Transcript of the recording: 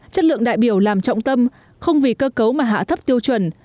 chất lượng đại biểu làm trọng tâm không vì cơ cấu mà hạ thấp tiêu chuẩn